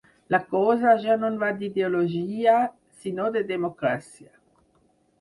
La cosa ja no va d’ideologia, sinó de democràcia.